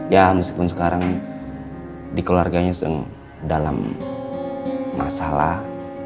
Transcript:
ya meskipun sekarang dikeluarganya sedang dalam masalah